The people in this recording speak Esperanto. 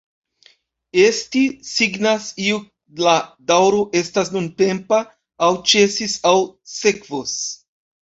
Esti signas, iu la daŭro estas nuntempa, aŭ ĉesis, aŭ sekvos.